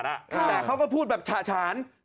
แต่เขาก็พูดแบบฉะฉาน